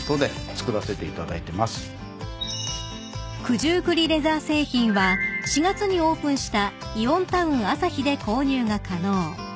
［九十九里レザー製品は４月にオープンしたイオンタウン旭で購入が可能］